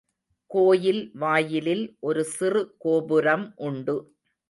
கோயில் வாயிலில் ஒரு சிறு கோபுரம் உண்டு.